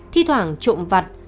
thi thoảng trộm vặt